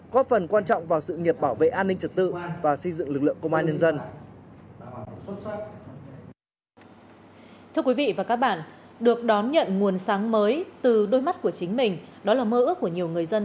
góp phần quan trọng vào sự nghiệp bảo vệ an ninh trật tự và xây dựng lực lượng công an nhân dân